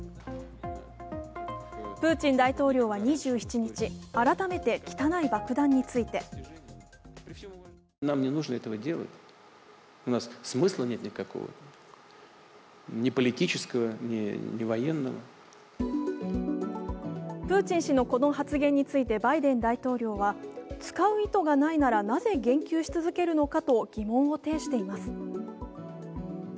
プーチン大統領は２７日、改めて汚い爆弾についてプーチン氏のこの発言についてバイデン大統領は使う意図がないなら、なぜ言及し続けるのかと疑問を呈しています。